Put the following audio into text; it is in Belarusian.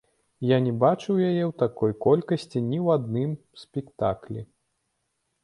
Я не бачыў яе ў такой колькасці ні ў адным спектаклі.